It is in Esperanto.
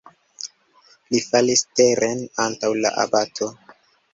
Li falis teren antaŭ la abato.